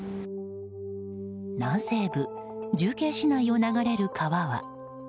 南西部重慶市内を流れる川は。